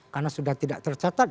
karena sudah tidak tercatat